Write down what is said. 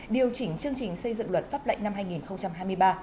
điều chỉnh chương trình xây dựng luật pháp lệnh năm hai nghìn hai mươi ba